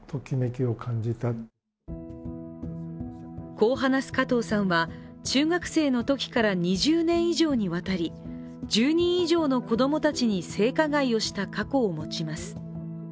こう話す加藤さんは、中学生のときから２０年以上にわたり、１０人以上の子供たちに性加害をした過去を持ちます。